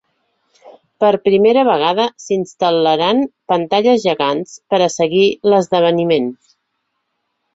Per primera vegada s’instal·laran pantalles gegants per a seguir l’esdeveniment.